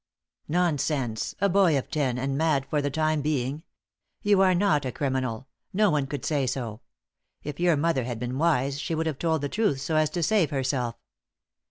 "Nonsense! A boy of ten, and mad for the time being! You are not a criminal; no one could say so. If your mother had been wise, she would have told the truth so as to save herself."